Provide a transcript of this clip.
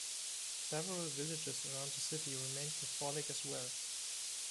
Several villages around the city remained Catholic as well.